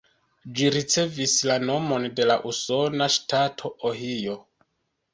Ĝi ricevis la nomon de la usona ŝtato Ohio.